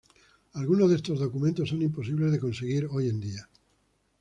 Algunos de estos documentos son imposibles de conseguir hoy día.